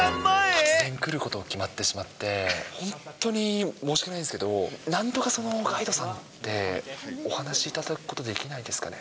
突然来ることが決まってしまって、本当に申し訳ないんですけれども、なんとかそのガイドさんって、お話しいただくことできないですかね。